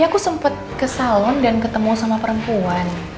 aku sempet ke salon dan ketemu sama perempuan